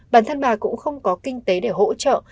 bản thân bà cũng không có kinh tế để hỗ trợ